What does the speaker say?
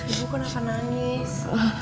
ibu kenapa nangis